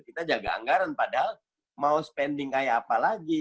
kita jaga anggaran padahal mau spending kayak apa lagi